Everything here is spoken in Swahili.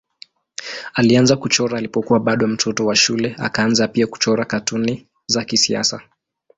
Alianza kuchora alipokuwa bado mtoto wa shule akaanza pia kuchora katuni za kisiasa.